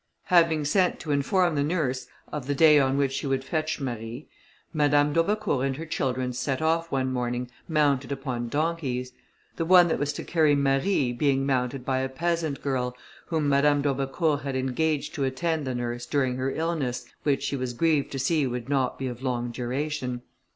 Having sent to inform the nurse of the day on which she would fetch Marie, Madame d'Aubecourt and her children set off one morning, mounted upon donkeys. The one that was to carry Marie, being mounted by a peasant girl, whom Madame d'Aubecourt had engaged to attend the nurse during her illness, which she was grieved to see would not be of long duration.